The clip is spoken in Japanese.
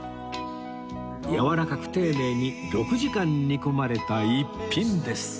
やわらかく丁寧に６時間煮込まれた逸品です